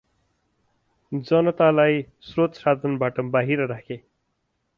जनतालाई स्रोतसाधनबाट बाहिर राखे ।